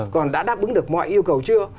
còn đã đáp ứng được mọi yêu cầu chưa